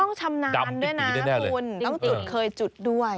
ชำนาญด้วยนะคุณต้องจุดเคยจุดด้วย